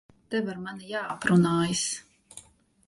Tev ar mani jāaprunājas.